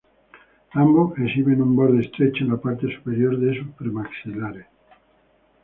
Ambos exhiben un borde estrecho en la parte superior de sus premaxilares.